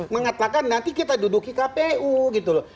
mengatakan nanti kita duduk di kpu gitu loh